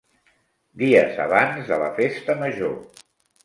Dies abans de la Festa Major.